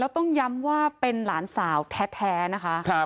ต้องย้ำว่าเป็นหลานสาวแท้นะคะ